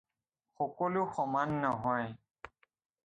সকলো সমান নহয়।